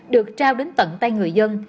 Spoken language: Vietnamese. được trao đến tận tay người dân